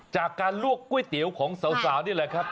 จากการลวกก๋วยเตี๋ยวของสาวนี่แหละครับ